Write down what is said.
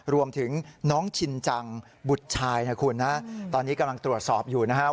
รวมถึงน้องชินจังบุตรชายนะคุณนะตอนนี้กำลังตรวจสอบอยู่นะครับ